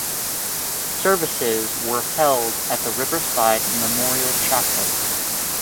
Services were held at the Riverside Memorial Chapel.